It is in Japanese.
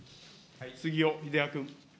杉尾秀哉君。